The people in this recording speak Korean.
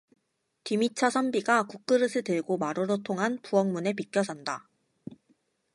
뒤미처 선비가 국그릇을 들고 마루로 통한 부엌문에 비껴선다.